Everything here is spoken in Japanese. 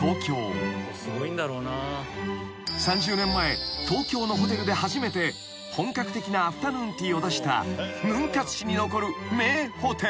［３０年前東京のホテルで初めて本格的なアフタヌーンティーを出したヌン活史に残る名ホテル］